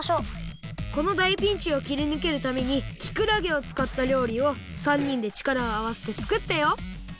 このだいピンチをきりぬけるためにきくらげをつかったりょうりを３にんでちからをあわせてつくったよ